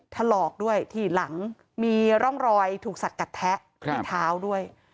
ถลอกด้วยที่หลังมีร่องรอยถูกสัดกัดแทะที่เท้าด้วย